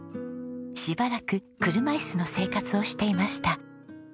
しばらく車椅子の生活をしていました。